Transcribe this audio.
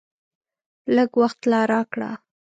لږ وخت لا راکړه !